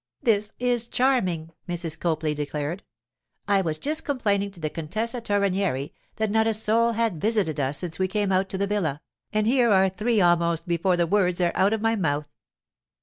'This is charming!' Mrs. Copley declared. 'I was just complaining to the Contessa Torrenieri that not a soul had visited us since we came out to the villa, and here are three almost before the words are out of my mouth!